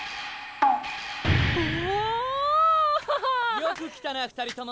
よく来たな２人とも！